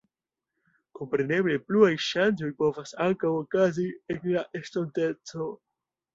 Kompreneble, pluaj ŝanĝoj povas ankaŭ okazi en la estonteco.